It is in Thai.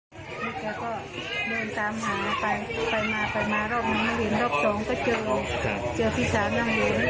เดินตามหาไปไปมาไปมารอบหนึ่งรอบสองก็เจอพี่สาวนั่งเดิน